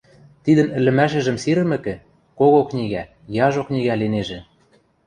Тидӹн ӹлӹмӓшӹжӹм сирӹмӹкӹ, кого книгӓ, яжо книгӓ линежӹ.